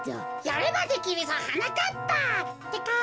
「やればできるぞはなかっぱ」ってか。